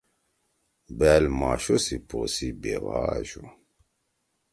بأل ماشو سی پو سی